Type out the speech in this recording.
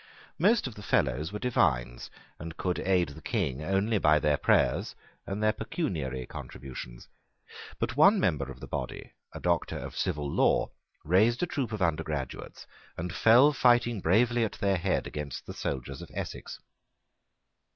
Most of the Fellows were divines, and could aid the King only by their prayers and their pecuniary contributions. But one member of the body, a Doctor of Civil Law, raised a troop of undergraduates, and fell fighting bravely at their head against the soldiers of Essex.